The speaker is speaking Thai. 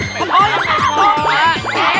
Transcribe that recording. ขอโทษนะครับ